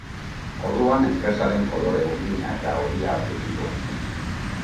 Orduan enpresaren kolore urdina eta horia hartu zituen.